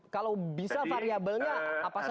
kalau bisa variabelnya apa saja